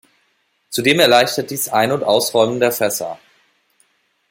Zudem erleichtert dies Ein- und Ausräumen der Fässer.